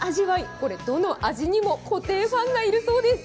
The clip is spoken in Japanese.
これ、どの味にも固定ファンがいるそうです。